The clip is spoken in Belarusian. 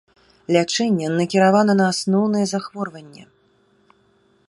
Лячэнне накіравана на асноўнае захворванне.